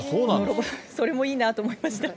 それもいいなと思いました。